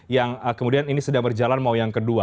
yang kemudian ini sedang berjalan mau yang kedua